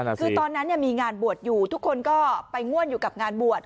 คือตอนนั้นมีงานบวชอยู่ทุกคนก็ไปง่วนอยู่กับงานบวช